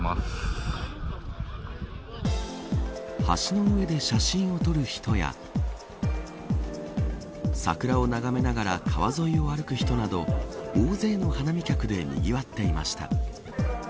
橋の上で写真を撮る人や桜を眺めながら川沿いを歩く人など大勢の花見客でにぎわっていました。